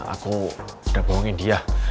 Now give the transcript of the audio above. aku udah bohongin dia